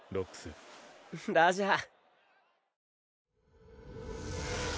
ラジャー。